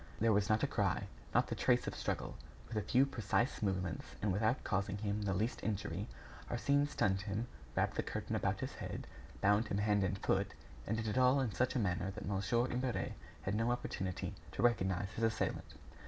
There was not a cry, not the trace of struggle. With a few precise moments, and without causing him the least injury, Arsène stunned him, wrapped the curtain about his head, bound him hand and foot, and did it all in such a manner that Mon. Imbert had no opportunity to recognize his assailant.